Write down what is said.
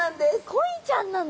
コイちゃんなの？